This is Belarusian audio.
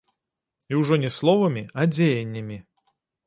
І ўжо не словамі, а дзеяннямі.